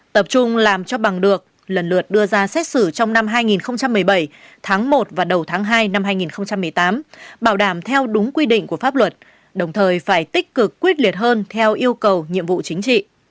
tập trung làm cho bằng được lần lượt đưa ra xét xử trong năm hai nghìn một mươi bảy tháng một và đầu tháng hai năm hai nghìn một mươi tám bảo đảm theo đúng quy định của pháp luật đồng thời phải tích cực quyết liệt hơn theo yêu cầu nhiệm vụ chính trị